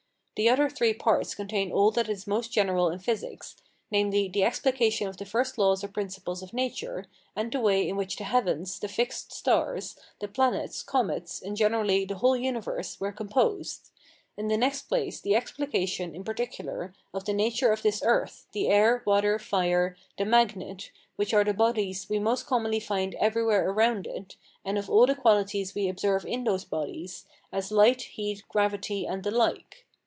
The other three parts contain all that is most general in Physics, namely, the explication of the first laws or principles of nature, and the way in which the heavens, the fixed stars, the planets, comets, and generally the whole universe, were composed; in the next place, the explication, in particular, of the nature of this earth, the air, water, fire, the magnet, which are the bodies we most commonly find everywhere around it, and of all the qualities we observe in these bodies, as light, heat, gravity, and the like.